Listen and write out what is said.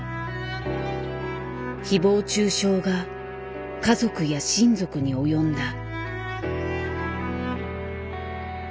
誹謗中傷が家族や親族に及んだ。